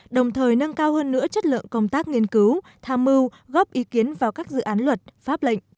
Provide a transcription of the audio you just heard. đồng thời nâng cao hơn nữa chất lượng công tác nghiên cứu tham mưu góp ý kiến vào các dự án luật pháp lệnh